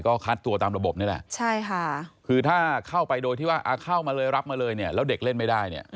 ก็คัดตัวตามระบบนี่แหละคือถ้าเข้าไปโดยที่ว่าเข้าแล้วได้